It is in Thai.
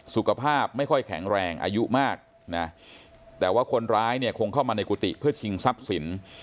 สุขภาพไม่ค่อยแข็งแรงอายุมากนะแต่ว่าคนร้ายเนี่ยคงเข้ามาในกุฏิเพื่อชิงทรัพย์สิน